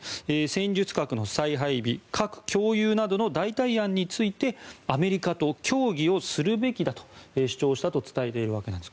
戦術核の再配備核共有などの代替案についてアメリカと協議をするべきだと主張したと伝えているわけなんです。